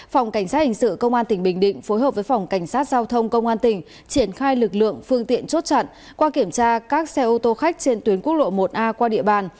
phòng cảnh sát hình sự công an tỉnh bình định phối hợp với phòng cảnh sát giao thông công an tỉnh triển khai lực lượng phương tiện chốt chặn qua kiểm tra các xe ô tô khách trên tuyến quốc lộ một a qua địa bàn